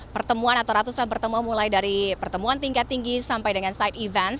pertemuan atau ratusan pertemuan mulai dari pertemuan tingkat tinggi sampai dengan side events